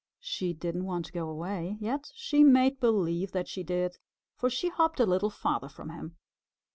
She didn't want to go away, yet she made believe that she did, for she hopped a little farther from him.